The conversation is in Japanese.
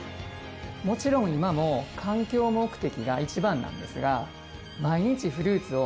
もちろん今も環境目的が一番なんですが。